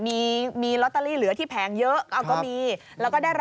คุณพีชบอกไม่อยากให้เป็นข่าวดังเหมือนหวยโอนละเวง๓๐ใบจริงและก็รับลอตเตอรี่ไปแล้วด้วยนะครับ